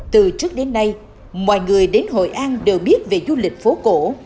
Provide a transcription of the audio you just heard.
từ trước đến nay mọi người đến hội an đều biết về du lịch phố cổ